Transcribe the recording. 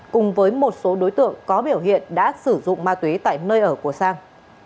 cùng với một số đối tượng có biểu hiện đã sử dụng ma túy tại nơi ở của sang